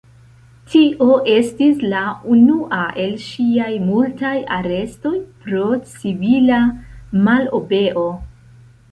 Tio estis la unua el ŝiaj multaj arestoj pro civila malobeo.